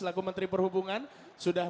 laku menteri perhubungan sudah